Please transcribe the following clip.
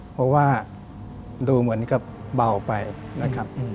เพราะว่าดูเหมือนกับเบาไปนะครับ